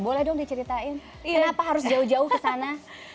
boleh dong diceritain kenapa harus jauh jauh ke sana